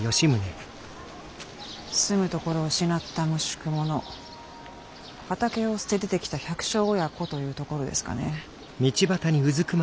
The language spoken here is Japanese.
住むところを失った無宿者畑を捨て出てきた百姓親子というところですかね。